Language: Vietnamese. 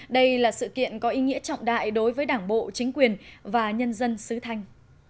đây là sự kiện có ý nghĩa trọng đại đối với đảng bộ chính quyền và nhân dân xứ thanh